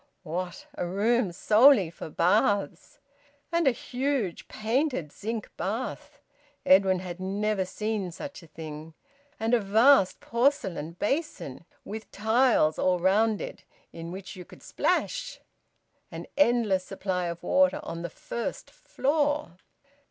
What! A room solely for baths! And a huge painted zinc bath! Edwin had never seen such a thing. And a vast porcelain basin, with tiles all round it, in which you could splash! An endless supply of water on the first floor!